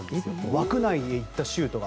枠内に行ったシュートが。